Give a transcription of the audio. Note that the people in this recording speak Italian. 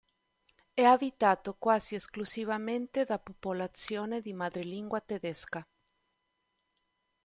È abitato quasi esclusivamente da popolazione di madrelingua tedesca.